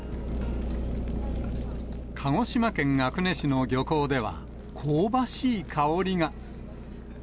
鹿児島県阿久根市の漁港では、香ばしい香りが。